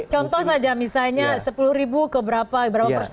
contoh saja misalnya sepuluh ribu ke berapa persen